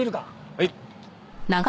はい。